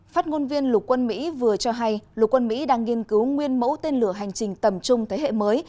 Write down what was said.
phát ngôn viên lục quân mỹ vừa cho hay lục quân mỹ đang nghiên cứu nguyên mẫu tên lửa hành trình tầm trung thế hệ mới